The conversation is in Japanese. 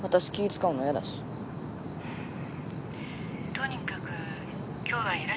☎とにかく今日はいらっしゃいよ。